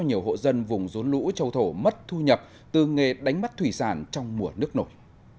nhiều hộ dân vùng rốn lũ châu thổ mất thu nhập từ nghề đánh bắt thủy sản trong mùa nước nổi